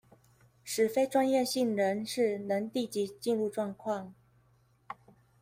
使非專業性人士能立即進入狀況